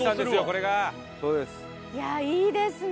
これが！いやいいですね。